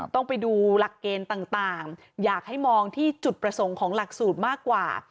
ต้องไปดูหลักเกณฑ์ต่างอยากให้มองที่จุดประสงค์ของหลักสูตรมากกว่า